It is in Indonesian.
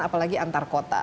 apalagi antar kota